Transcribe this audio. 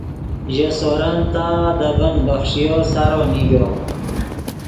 ژے سورن تا دے ڤین بخݰیو سارو نیگو